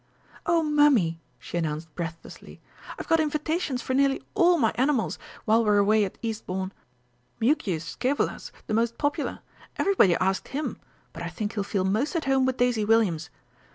"Oh, Mummy," she announced breathlessly, "I've got invitations for nearly all my animals while we're away at Eastbourne! Mucius Scævola's the most popular everybody asked him, but I think he'll feel most at home with Daisy Williams.